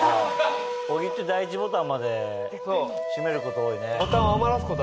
小木って第１ボタンまでしめること多いね。